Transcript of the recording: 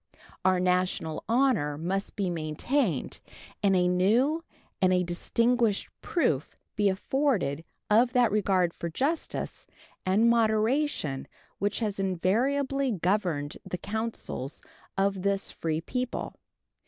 Our national honor must be maintained, and a new and a distinguished proof be afforded of that regard for justice and moderation which has invariably governed the councils of this free people.